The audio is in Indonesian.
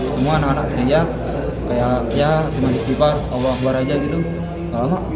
semua anak anak ria kayak ya cuma dibilang obat obatan itu